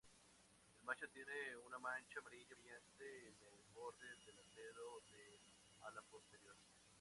El macho tiene una mancha amarilla brillante en el borde delantero del ala posterior.